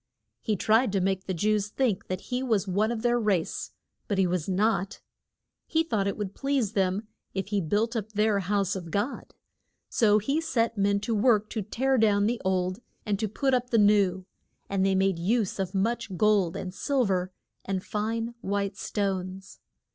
He tried to make the Jews think that he was one of their race, but he was not. He thought it would please them if he built up their House of God, so he set men to work to tear down the old and to put up the new, and they made use of much gold and sil ver and fine white stones.